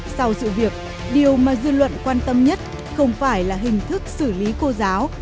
sau sự việc điều mà dư luận quan tâm nhất không phải là hình thức xử lý cô giáo